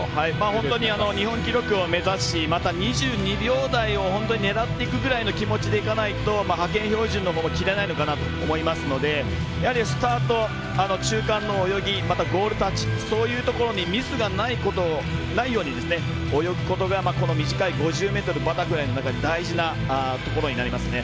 本当に日本記録を目指しまた２２秒台を本当に狙っていくぐらいの気持ちでいかないと派遣標準のほうも切れないのかなと思いますので、やはりスタート中間の泳ぎまたゴールタッチそういうところにミスがないように泳ぐことがこの短い５０ｍのバタフライで大事なところになりますね。